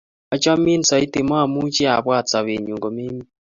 achomin soiti momuche abwat sobenyun komemii